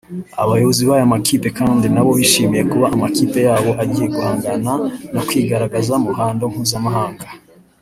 Abayobozi b’aya makipe kandi nabo bishimiye kuba amakipe yabo agiye guhangana no kwigaragaza mu ruhando mpuzamahanga